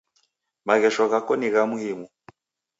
Maghesho ghako ni gha muhimu.